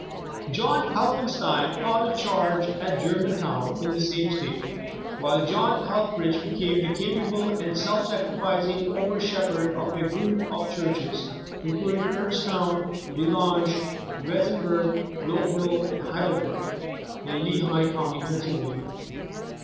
John Helffenstein found a charge at Germantown, in the same State; while John Helffrich became the capable and self sacrificing over shepherd of a group of churches, including Kurtztown, DeLange, Weissenberg, Lowhill, and Heidelberg, in Lehigh County, Pennsylvania.